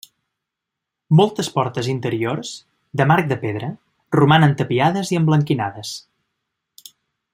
Moltes portes interiors, de marc de pedra, romanen tapiades i emblanquinades.